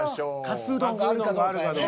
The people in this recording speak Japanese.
かすうどんがあるかどうかやね。